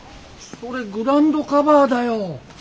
それグラウンドカバーだよ。